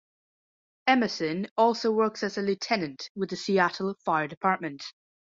Emerson also works as a lieutenant with the Seattle Fire Department.